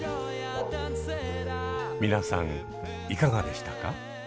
皆さんいかがでしたか？